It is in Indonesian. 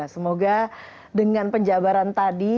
semoga dengan penjabaran tadi